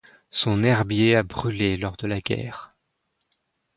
Son herbier a brûlé lors de la guerre.